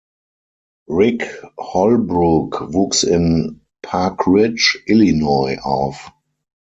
Rick Holbrook wuchs in Park Ridge, Illinois auf.